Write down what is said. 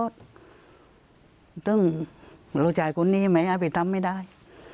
ลูกจายคุณนี้ไม่ให้ไปทำไม่ได้